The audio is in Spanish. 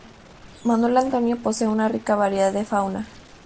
Manuel Antonio posee una rica variedad de fauna.